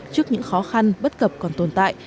trước những khó khăn bất cập còn tồn tại